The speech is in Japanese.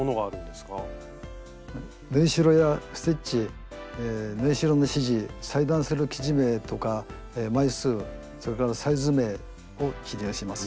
スタジオ縫いしろやステッチ縫いしろの指示裁断する生地名とか枚数それからサイズ名を記入します。